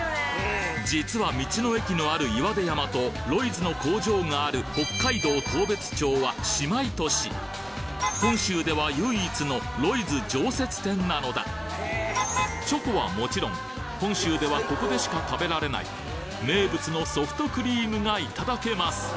実は道の駅のある岩出山とロイズの工場がある北海道当別町は姉妹都市本州では唯一のロイズ常設店なのだチョコはもちろん本州ではここでしか食べられない名物のソフトクリームがいただけます！